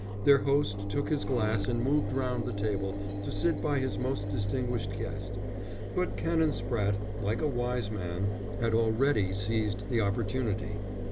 Their host took his glass and moved round the table to sit by his most distinguished guest. But Canon Spratte, like a wise man, had already seized the opportunity.